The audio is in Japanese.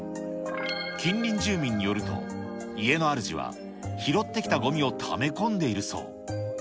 近隣住民によると、家のあるじは、拾ってきたごみをため込んでいるそう。